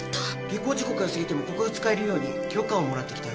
下校時刻が過ぎてもここが使えるように許可をもらってきてあげるよ。